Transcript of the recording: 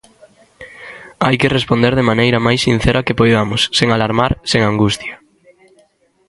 Hai que responder da maneira máis sincera que poidamos, sen alarmar, sen angustia.